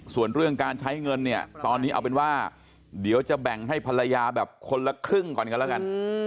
ส่วนเรื่องการใช้เงินเนี่ยตอนนี้เอาเป็นว่าเดี๋ยวจะแบ่งให้ภรรยาแบบคนละครึ่งก่อนกันแล้วกัน